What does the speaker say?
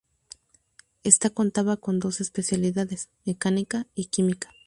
Ésta contaba con dos especialidades: Mecánica y Química.